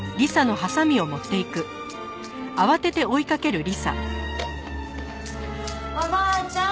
おばあちゃん